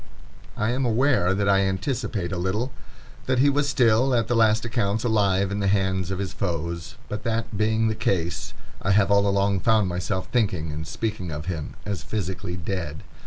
I am aware that I anticipate a little, that he was still, at the last accounts, alive in the hands of his foes; but that being the case, I have all along found myself thinking and speaking of him as physically dead.